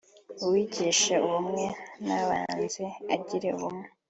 uwigisha ubumwe nabanze agire ubumwe